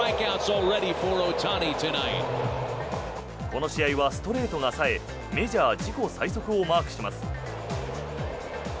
この試合はストレートが冴えメジャー自己最速をマークします。